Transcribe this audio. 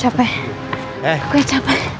aku yang capek